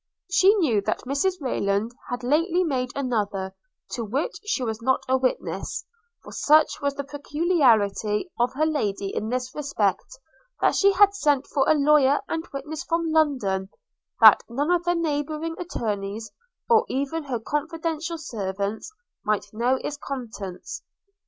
She knew that Mrs Rayland had lately made another, to which she was not a witness; – for such was the peculiarity of her Lady in this respect, that she had sent for a lawyer and witnesses from London, that none of the neighbouring attorneys, or even her confidential servants, might know its contents.